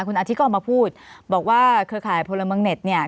คุณอาทิตย์ก็ออกมาพูดบอกว่าเครือข่ายพลเมืองเน็ตเนี่ย